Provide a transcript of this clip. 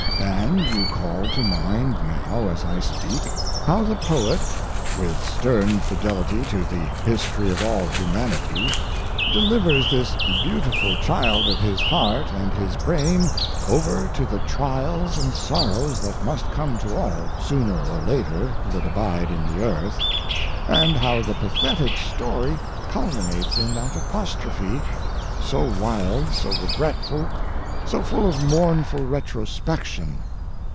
And you call to mind now, as I speak, how the poet, with stern fidelity to the history of all humanity, delivers this beautiful child of his heart and his brain over to the trials and sorrows that must come to all, sooner or later, that abide in the earth, and how the pathetic story culminates in that apostrophe—so wild, so regretful, so full of mournful retrospection.